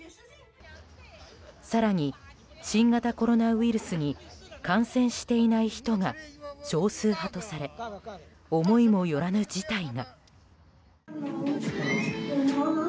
更に、新型コロナウイルスに感染していない人が少数派とされ思いもよらぬ事態が。